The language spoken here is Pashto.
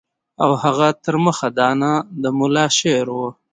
او هغه تر مخه دانه د ملا شعر وو.